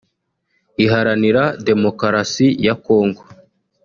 Iharanira Demokarasi ya Kongo